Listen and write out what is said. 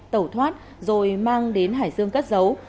tẩu thoát rồi mang đến hải dương cất dấu